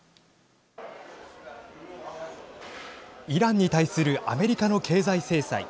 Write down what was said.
イランに対するアメリカの経済制裁。